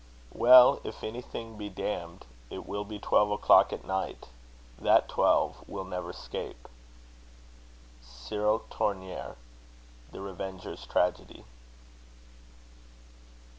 Well, if anything be damned, It will be twelve o'clock at night; that twelve Will never scape. CYRIL TOURNEUR. The Revenger's Tragedy.